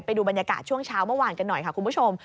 ไปดูบรรยากาศช่วงเช้าเมื่อวานกันหน่อยค่ะคุณผู้ชม